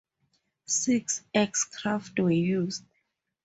Six X-craft were used.